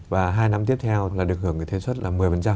và hai năm tiếp theo là được hưởng cái thuế xuất là một mươi